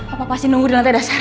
apa pasti nunggu di lantai dasar